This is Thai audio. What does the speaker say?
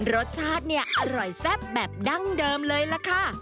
รสชาติเนี่ยอร่อยแซ่บแบบดั้งเดิมเลยล่ะค่ะ